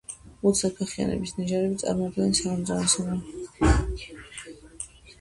მუცელფეხიანების ნიჟარები წარმოადგენენ სახელმძღვანელო ნამარხებს გეოლოგიური ერების დადგენისათვის.